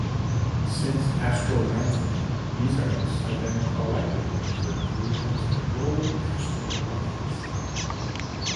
Since "Astromantic", these artists have been collectively referred to as the Global Astro Alliance.